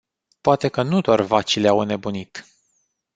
Poate că nu doar vacile au înnebunit.